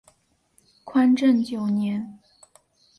宽政九年。